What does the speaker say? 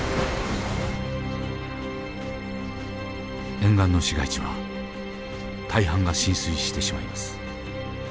沿岸の市街地は大半が浸水してしまいます。